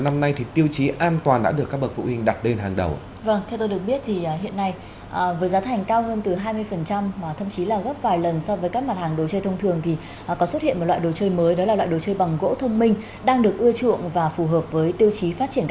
mà tiêu chí an toàn đang rất được ưu tiên